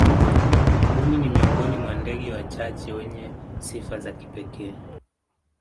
mbuni ni miongoni mwa ndege wachache wenye sifa za kipekee